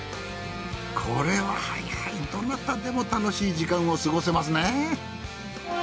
これはどなたでも楽しい時間を過ごせますねぇ